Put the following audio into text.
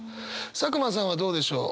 佐久間さんはどうでしょう？